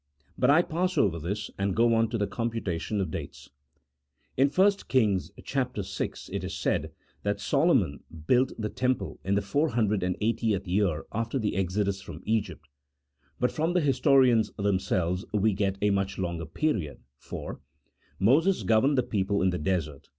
But I pass over this, and go on to the computation of dates. In 1 Kings, chap, vi., it is said that Solomon built the Temple in the four hundred and eightieth year after the exodus from Egypt; but from the historians themselves we get a much longer period, for Years. Moses governed the people in the desert